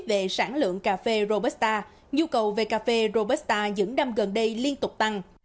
về sản lượng cà phê robusta nhu cầu về cà phê robusta những năm gần đây liên tục tăng